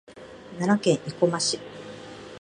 奈良県生駒市